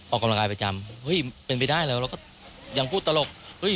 ออกกำลังกายประจำเฮ้ยเป็นไปได้แล้วเราก็ยังพูดตลกเฮ้ย